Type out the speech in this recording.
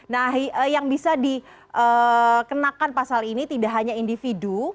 nah yang bisa dikenakan pasal ini tidak hanya individu